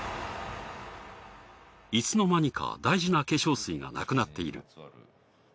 いつの間にか大事な化粧水がなくなっている。